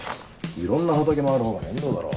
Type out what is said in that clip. いろんな畑回るほうが面倒だろ。